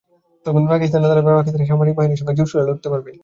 তখন পাকিস্তানি তালেবানও পাকিস্তানের সামরিক বাহিনীর সঙ্গে আরও জোরেশোরে লড়তে পারবে।